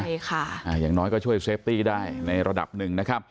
ใช่ค่ะอย่างน้อยก็ช่วยเซฟตี้ได้ในระดับหนึ่งนะครับ